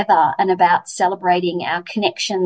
dan mengucapkan kenalan kita dan keluarga kita